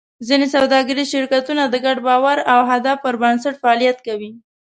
حتی سوداګریز شرکتونه د ګډ باور او هدف پر بنسټ فعالیت کوي.